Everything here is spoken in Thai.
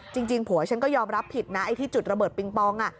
จริงผัวฉันก็ยอมรับผิดนะไอ้ที่จุดระเบิดปิงปอง